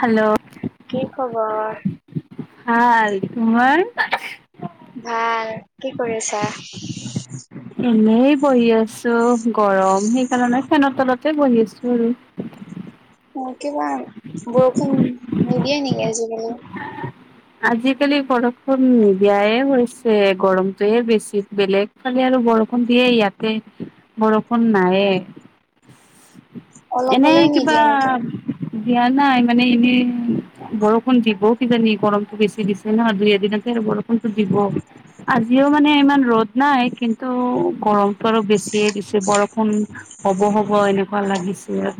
Hello. কি খবৰ? ভাল। তোমাৰ? ভাল। কি কৰি আছা? এনেই বহি আছোঁ। গৰম সেইকাৰণে ফেনৰ তলতে বহি আছোঁ আৰু। অ', কিবা বৰষুণ নিদিয়ে নেকি আজিকালি? আজিকালি বৰষুণ নিদিয়ায়ে হৈছে, গৰমতোয়ে বেছি, বেলেগ। খালি আৰু বৰষুণ দিয়ে ইয়াতে, বৰষুণ নায়ে। [inaudible] অলপ এনেই হ'লেও কিবা নিদিয়ে নেকি? দিয়া নাই, মানে এনেই বৰষুণ দিবও কিজানি গৰম বেছি দিছে ন', দুই এদিনতে আৰু বৰষুণটো দিব। আজিও মানে ইমান ৰ'দ নাই। কিন্তু গৰমতটো অলপ বেছিয়ে দিছে, বৰষুণ হ'ব, হ'ব এনেকুৱা লাগিছে আৰ।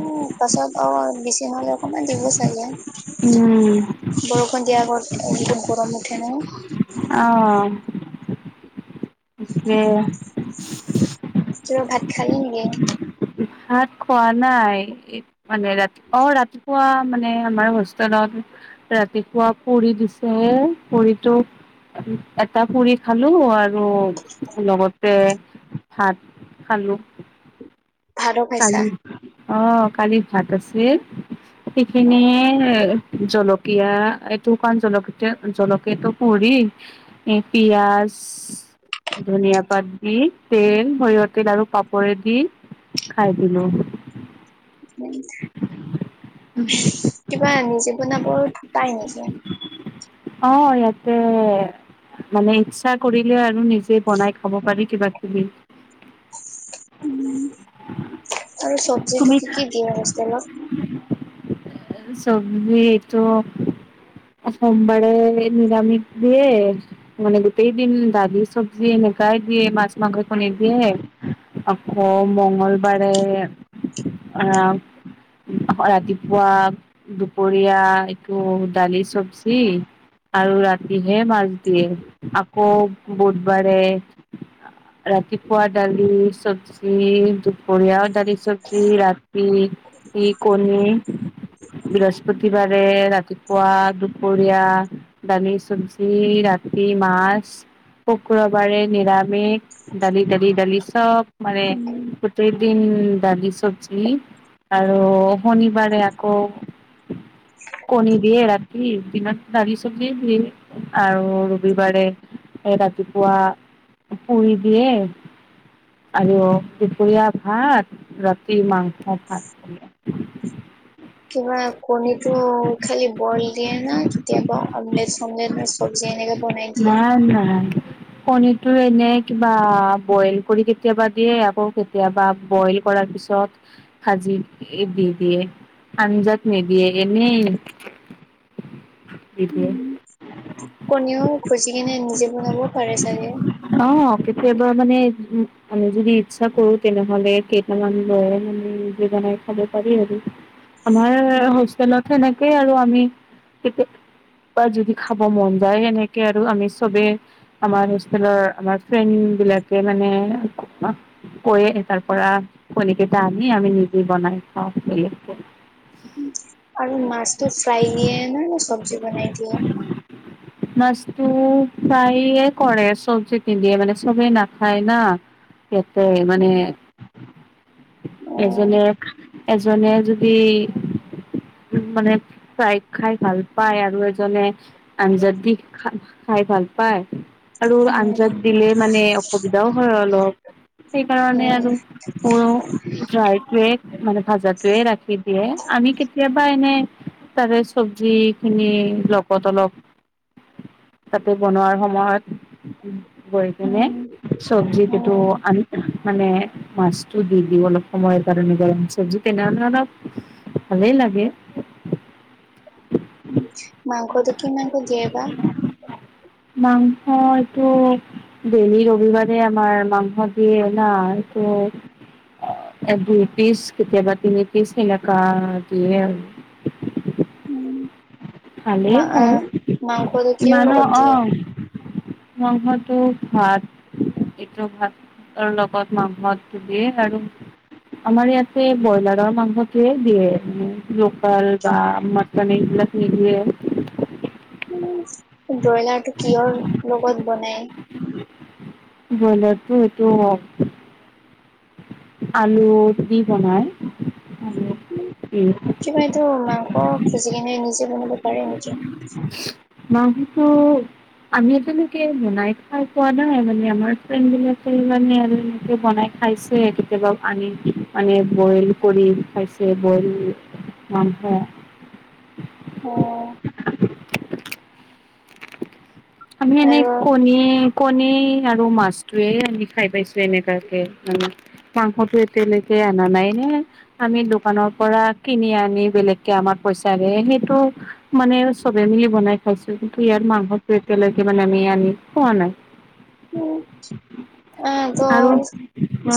উ', পাছত অ' বেছি নহ'লে অকণমান দিব চাগে। উম। বৰষুণ দিয়া আগত, এনেটো গৰম উঠে ন'। অ'। ইটোৱে। তোৰ ভাত খালি নিয়ে? ভাত খোৱা নাই। এ মানে ৰাতি অ', ৰাতিপুৱা মানে আমাৰ হোষ্টেলত ৰাতিপুৱা পৰি দিছে, পৰিটো এটা পুৰি খালোঁ আৰু লগতে ভাত। খালোঁ। ভাতো খাইছা? কালিৰ অ', কালি ভাত আছিল, অ সেইখিনিয়ে জলকীয়া। এইটোকান জলকীতে জলকীয়াটো পুৰি এ, পিয়াজ ধনিয়া পাত দি, তেল, সৰিয়হ তেল আৰু পাপৰে দি খাই দিলোঁ। কিবা নিজে বনাব পাই নেকি? অ', ইয়াতে মানে ইচ্ছা কৰিলে আৰু নিজে বনাই খাব পাৰি কিবা কিবি। উম। আৰু চবজি তুমি টো কি কি দিয়ে হোষ্টেলত? [unintelligible] চবজি এইটো, সোমবাৰে নিৰামিষ দিয়ে। মানে গোটেই দিন দালি, চবজি, এনেকাই দিয়ে। মাছ, মাংস, পনীৰ দিয়ে। আকৌ মংগলবাৰে আহ ৰাতিপুৱা দুপৰীয়া একো দালি চব্জি আৰু ৰাতিহে মাজ দিয়ে আকৌ বুধবাৰে ৰাতিপুৱা দালি চবজি দুপৰীয়া দালি চব্জি ৰাতি কণী বৃহস্পতিবাৰে ৰাতিপুৱা দুপৰীয়া দালি চব্জি ৰাতি মাছ কুকুৰবাৰে নিৰামিষ দালি দালি দালি চব মানে উম গোটেই দিন দালি চব্জি আৰু শনিবাৰে গ' কণী দিয়ে ৰাতি দিনত দ়ি চব্জি দিয়ে আৰু ৰবিবাৰে এ ৰাতিপুৱা পুৰি দিয়ে আৰু দুপৰীয়া ভাত ৰাতি মাংস ভাত দিয়ে। কিবা কণী টো খালি বইল দিয়ে না কেতিয়াবা অমলেট চমলেট ন চব্জি এনেকে বনাই দিয়ে নাই নাই কনীৰতটো এনে কিবা বইল কৰি কেতিয়াবা দিয়ে আকৌ কেতিয়াবা বইল কৰাৰ পিছত ভাজি দি দিয়ে আঞ্জাত ম দ এনে দি কণীও খজি কিনে নিজে বনাবও পাৰে চাগে অ কেতিয়াবাৰ মানে আমি যদি ইচ্ছা কৰো তেনেহলে কেইটামান লয় আমি বোগনাই খাব পাৰি আৰু আমাৰ হোষ্টেলত সেনেকেই আৰু আমিয়া বা যদি খাব মন যায় এনেকে আৰু আমি চবে আমাৰ সুলৰ আমাৰ ফ্ৰে বিলাকে মানে কৰি তাৰ পৰা কণী কেইটা আনি আমি নিজে বনাই খাওঁ বেলেগ কে আৰু মাছতটো ফ্ৰাই দিয়ে নাই ন চব্জি বনাই দিয়ে মাছটো প্ৰায়ে কৰে চব্জি কিন্ধিয়ে মানে চবেই নাখায় না তাকে মানে অ এজনে এজনে যদি মানে প্ৰায় খাই ভাল পায় আৰু এজনে আন যদি খ খাই ভাল পায় আৰু উম আঞ্জাত দিলে মানে অসুবিধাও হয় অলপ সেইকাৰণে উম আৰু ড্ৰাইটয়ে মানে ভাজাতোৱে ৰাখি দিয়ে আমি কেতিয়াবা এনে তাৰে চব্জি খিনি লগত অলপ তাতে বনোৱাৰ সময়ত গৈ কিনে উম চবজি কিটো উম আনি মানে মাছতটো দি দিওঁ অলপ সময়ৰ কাৰণে গৰম চব্জি তেনেহে অলপ হল লাগে মাংস দুখী মাংক দিয়ে বাা মাংসটো ডেলি ৰবিবাৰে আমাৰ মাংস দিয়ে নাই দুপিছ কেতিয়াবা তিনি পিছ এনেকা দিয়ে ভালে মা হ মাংসটো কিহৰ মানহ লগত অ দিয়ে মাংসটো ভাত এইটো ভাতৰ লগত মাংস দিয়ে আৰু আমাৰ ইয়াতে ব্ৰইলাৰৰ মাংসটোৱে দিয়ে উ লোকাল বা মটন এইবিলাক নিদিয়ে উ ব্ৰইলাৰ টো কিহৰ লগত বনাই ব্ৰইলাৰতটো সেইটো হ আলু দি বনাই কিবা এইটো মাংস খুজি কেনে নিজে বনাব পাৰে নেকি? মাংখটো আমি এজালকে বনাই খাই পোৱা নাই মানে আমাৰ ফ্ৰেডানে বনাই খাইছে কেতিয়াবা আনি মানে বইল কৰি খাইছে বইল [inaudible] অ, [inaudible] আমি এনে আৰু কণীয়ে কণ আৰু মাছটোৱে আমি খাই পাইছো এনেুৱাকে মানে। মাংসটো এতিয়ালৈকে আনা নাই নে। আমি দোকানৰ পৰা কিনি আনি বেলেগকে আমাৰ পইচা দিয় সেইটো মানে চবে মিলি বনাই খাইছো কিন্তু ইয়াৰ মাহত কেলক মানে আমি আনি খোৱা নাই। উম, অহ ত আৰু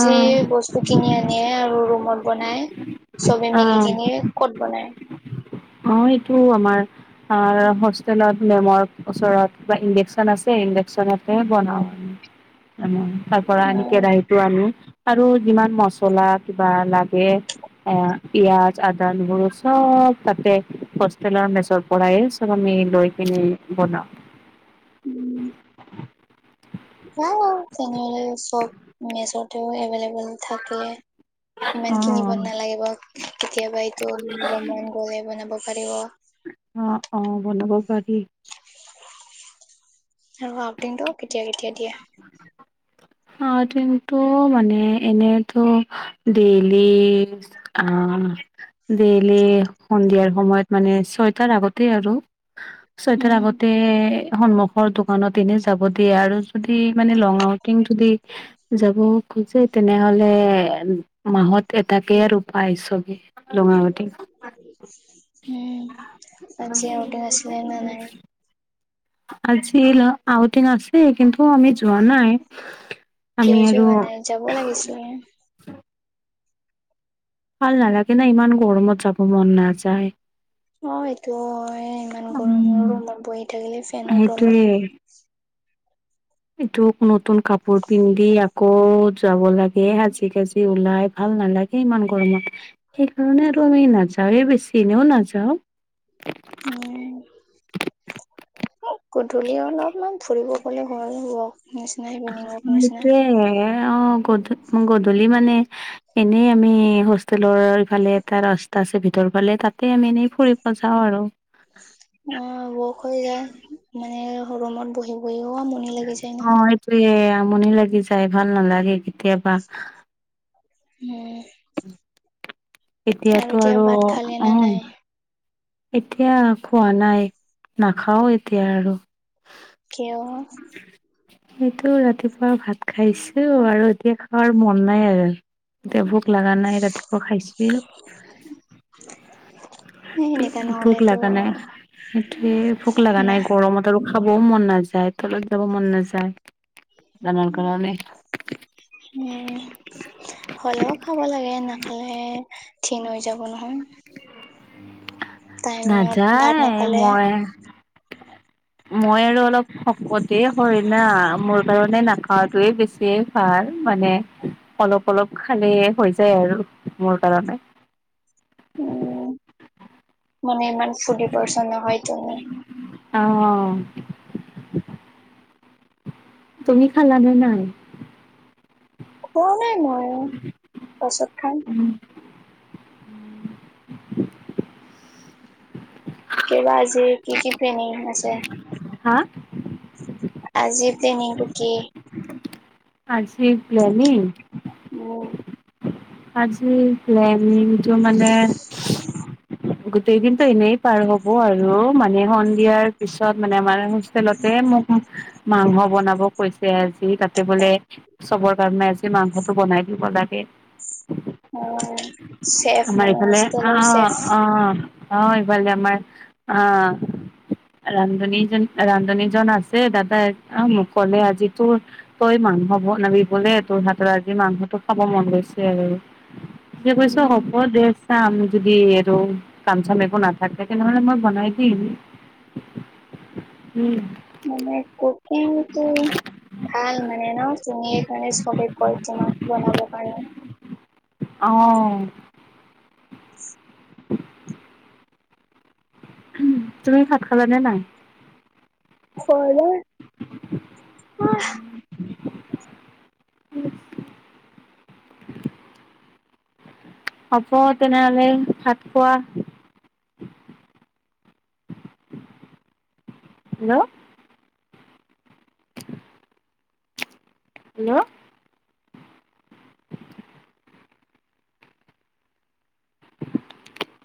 যি বস্তু কিনি আনে আৰু ৰুমত বনাই চবে মিলি অ', কিনি, ক'ত বনাই? অ, এইটো আমাৰ আৰু হোষ্টেলত মেমৰ ওচৰত কিবা ইণ্ডেকচন আছে ইণ্ডেকচনতে বনাওঁ আমি। [unintelligible] আনি উম, আৰু যিমান মচলা কিবা লাগে, এ পিযয়াজ আদা নহৰু চব তাতে হোষ্টেলৰ মেজৰ পৰা চব আমি লৈ কি বনাও। উম, হ তেনেহলে চব মেচতেও এভেইলেবল থাকে। ইমান কিনিব অ', নালাগিব কেতিয়াবা এইটো বনাব মন গ'লে বনাব পাৰিব। অ, অ, বনাব পাৰি। আৰু আউটিংটো কেতিয়া কেতিয়া দিয়ে? [inaudible] মানে এনেতো ডেইলি অ, ডেইলি সন্ধিয়াৰ সময়ত মানে ছয়টাৰ আগতে আৰু, চুৱেটাৰ উম, আগতে সন্মুখৰ দোকানত এনে যাব দিয়ে আৰু যদি মানে লং আউটিং যদি যাব খোজে তেনেহলে মাহত এটাকে আৰু পাই ছবে। উম, আজি আউটিং আছিলে নে নাই [inaudible] আজি ল আউটিন আছে কিন্তু, আমি যোৱা নাই। আমি কিয় আৰু যোৱা নাই? যাব লাগিছিলে। ভাল নালাগে না ইমান গৰমত যাব মন নাযায়। অ, এইটো হয় ইমান গৰম আৰু উম, ৰুমত বহি থাকিলে ফেনৰ তলত। সেইটোয়ে এইটোক নতুন কাপোৰ পিন্ধি আকৌ যাব লাগে সাজি কাচি ওলাই ভাল নালাগে। ইমান গৰমত সেইকাৰণে আৰু আমি নাযাওে বেছি ইনেও নাযাও। উম, গধূলি অলপমান ফুৰিব গ'লে হোৱা হ'ব। সেইটোয়ে অ, গধূ-গধূলি মানে এনেই আমি হোষ্টেলৰ ইফালে এটা ৰাস্তা আছে ভিতৰৰ ফালে তাতে আমি এনেই ফুৰিব যাওঁ আৰু। অ, বখ হৈ যায় মানে হৰুমত বহি বহিও‌ আমনি লাগি যায় নহয়। [inaudible] আমনি লাগি যায় ভাল নালাগে কেতিয়াবা। উম, এতিয়াতো এতিয়া আৰু ভাত অ, খালে না উম, নাই এতিয়া খোৱা নাই নাখাও এতিয়া আৰু। কিয়? এইটো ৰাতিপুৱা ভাত খাইছোঁ আৰু এতিয়া খোৱাৰ মন নাই আৰু। এতিয়া ভোক লগা নাই ৰাতিপুৱা খাইছিলোঁ। [unintelligible] ভোক নহলেতো লাগা নাই সেইটোৱে, ভোক লাগা না নাই গৰমত আৰু খাবও মন নাযায়, তলত যাব মন নাযায় দানৰ কাৰণে। উম। হ'লেও খাব লাগে এনেকে ক্ষীণ হৈ যাব নহয়। টাইমত ভাত নাযায় নাখালে। মই মই আৰু অলপ শকতেই হয় না, মোৰ কাৰণে নাখাৱটোৱে বেছি ভাল, মানে অলপ-অলপ খালেই হৈ যায় আৰু মোৰ কাৰণে। উম, মানে ইমান ফুৰ্তি পাৰচন নহয় তুমি। অহ, তুমি খালানে নাই? খোৱা নাই মইও, পছত খাম। [unintelligible] কিবা আজি কি কি প্লেনিং আছে? হা? আজি প্লেনিংটো কি? আজি প্লেনিং? উম। আজি প্লেনিংটো মানে। গোটেই দিনটো এনেই পাৰ হ'ব আৰু। মানে সন্ধিয়াৰ পিছত মানে আমাৰ হোতলতে মোক মাংস বনাব কৈছে আজি তাতে বোলে চবৰ কাৰণে আজি মাংসটো বনাই দিব লাগে। অহ। আমাৰ এইফালে অহ, অহ, অহ, এইফালে আমাৰ অহ। ৰান্ধনীজন ৰান্ধনীজন আছে দাদাই মোক ক'লে আজি তোৰ তই মাংস বনাবি বোলে, তোৰ হাত আজি মাংসটো খাব মন গৈছে। মই কৈছো হ'ব। উম চাম যদি আৰু কাম-চাম একো নাথাকে তেনেহ'লে মই বনাই দিম। [inaudible] উম। মানে কোকিংটো ভাল মানে ন' তুমি এই, কাৰণে চ'বেই কয় তোমাক বনাবৰ কাৰণে। অহ। উম, তুমি ভাত খালনে নাই? খোৱা নাই। অ [unintelligible] হ'ব তেনেহ'লে ভাত খোৱা। হেল্ল'। হেল্ল'। [unintelligible]